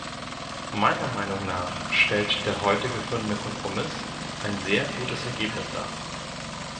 Meiner Meinung nach stellt der heute gefundene Kompromiss ein sehr gutes Ergebnis dar.